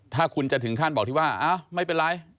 ถ้าคุณจะถึงขั้นบอกที่ว่าไม่เป็นไร